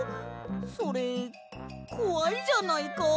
それこわいじゃないか。